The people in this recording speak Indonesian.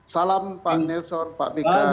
salam pak nelson pak fikar